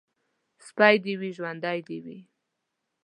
سپى دي وي ، ژوندى دي وي.